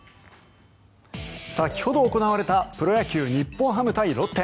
先ほど行われたプロ野球日本ハム対ロッテ。